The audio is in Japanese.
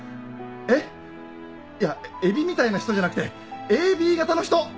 えっ？いやエビみたいな人じゃなくてＡＢ型の人！